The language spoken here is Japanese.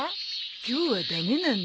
今日は駄目なんだ。